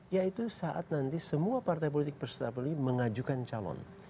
yaitu saat nanti semua partai politik perstafeli mengajukan calon